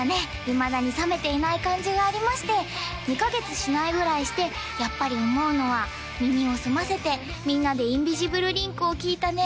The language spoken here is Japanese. いまだに冷めていない感じがありまして２カ月しないぐらいしてやっぱり思うのは耳をすませてみんなで「ＩｎｖｉｓｉｂｌｅＬｉｎｋ」を聴いたね